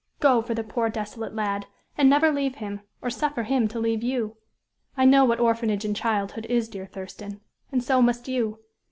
Go for the poor, desolate lad, and never leave him, or suffer him to leave you. I know what orphanage in childhood is, dear Thurston, and so must you.